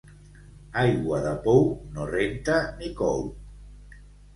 Aigua de pou no renta ni cou.